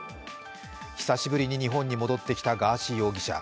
久しぶりに日本に戻ってきたガーシー容疑者。